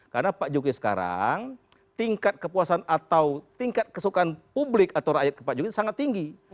karena pak jokowi sekarang tingkat kepuasan atau tingkat kesukaan publik atau rakyat pak jokowi sangat tinggi